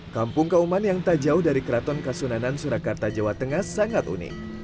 kampung kauman yang tak jauh dari keraton kasunanan surakarta jawa tengah sangat unik